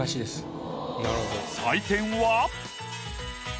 採点は。